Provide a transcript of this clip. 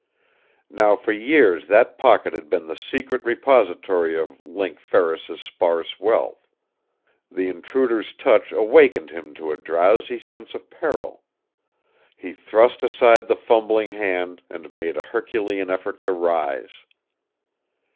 Now for years that pocket had been the secret repository of Link Ferris's sparse wealth. The intruder's touch awakened him to a drowsy sense of peril. He thrust aside the fumbling hand and made a herculean effort to rise.